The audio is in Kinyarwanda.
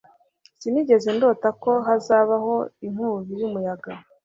Sinigeze ndota ko hazabaho inkubi y'umuyaga.